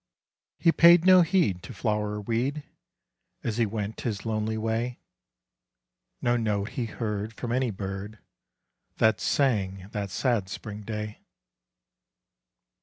He paid no heed to flower or weed As he went his lonely way, No note he heard from any bird That sang, that sad spring day.